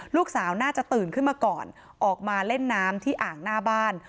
ลูกสาวน่าจะตื่นขึ้นมาก่อนออกมาเล่นน้ำที่อ่างหน้าบ้าน